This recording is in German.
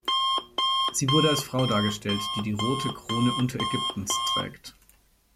Sie wurde als Frau dargestellt, die die Rote Krone Unterägyptens trägt.